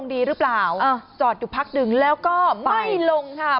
ดีหรือเปล่าจอดอยู่พักหนึ่งแล้วก็ไม่ลงค่ะ